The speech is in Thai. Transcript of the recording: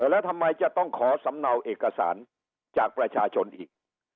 แล้วทำไมจะต้องขอสำเนาเอกสารจากประชาชนอีก